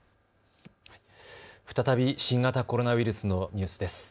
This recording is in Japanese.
再び新型コロナウイルスのニュースです。